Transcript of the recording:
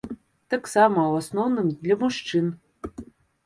Таксама ў асноўным для мужчын.